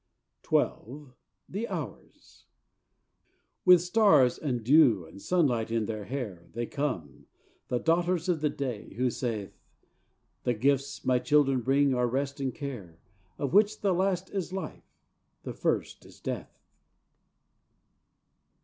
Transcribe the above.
XII The Hours With stars and dew and sunlight in their hair, They come, the daughters of the Day, who saith: "The gifts my children bring are rest and care, Of which the last is Life, the first is Death."